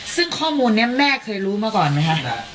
ซึ่งข้อมูลนี้แม่เคยรู้มาก่อนไหมคะ